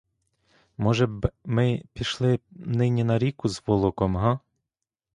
Може б ми пішли нині на ріку з волоком, га?